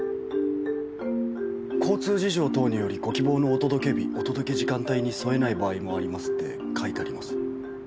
「交通事情等によりご希望のお届け日お届け時間帯に沿えない場合もあります」って書いてあります。